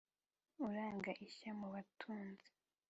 uranga ishya mu batunzi